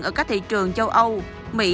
ở các thị trường châu âu mỹ